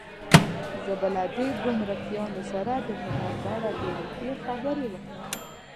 زه به له دې ګمرکیانو سره د هنر په اړه ښې ډېرې خبرې وکړم.